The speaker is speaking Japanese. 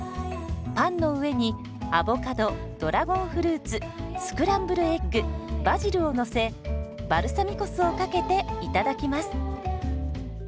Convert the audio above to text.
パンの上にアボカドドラゴンフルーツスクランブルエッグバジルをのせバルサミコ酢をかけていただきます。